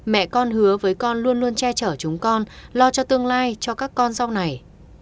mẹ con hứa với con luôn luôn che chở chúng con lo cho tương lai cho các con sau này